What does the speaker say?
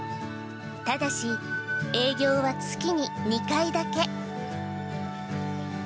ただし、営業は月に２回だけ。